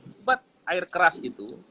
sempat air keras itu